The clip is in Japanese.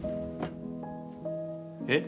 えっ？